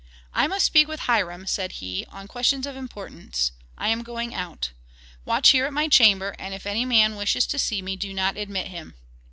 "I must speak with Hiram," said he, "on questions of importance. I am going out. Watch here at my chamber, and if any man wishes to see me do not admit him."